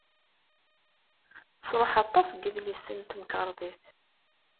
Tesṛuḥ aṭas n yedlisen n temkarḍit.